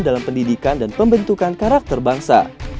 dalam pendidikan dan pembentukan karakter bangsa